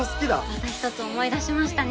また１つ思い出しましたね。